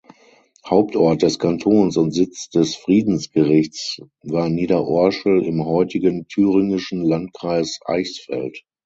Hauptort des Kantons und Sitz des Friedensgerichts war Niederorschel im heutigen thüringischen Landkreis Eichsfeld.